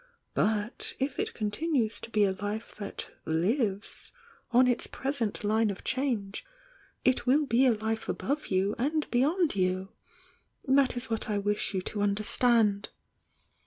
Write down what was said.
But if It continues to be a life that lives, on its present hne of change, it will be a life above you and beyond you! That is what I wish you to understand."